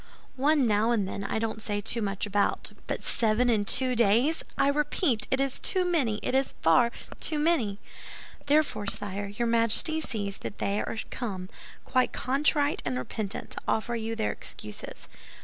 One now and then I don't say much about; but seven in two days, I repeat, it is too many, it is far too many!" "Therefore, sire, your Majesty sees that they are come, quite contrite and repentant, to offer you their excuses."